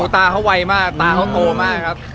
ตาเขาไวมากตาเขาโตมากครับ